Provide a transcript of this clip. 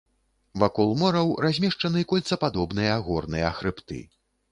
Вакол мораў размешчаны кольцападобныя горныя хрыбты.